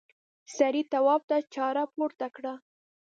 سړي تواب ته چاړه پورته کړه.